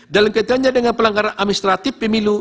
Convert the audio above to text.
dalam kaitannya dengan pelanggaran administratif pemilu